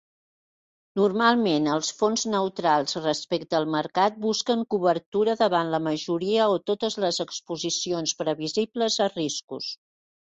Normalment, els fons neutrals respecte al mercat busquen cobertura davant la majoria o totes les exposicions previsibles a riscos.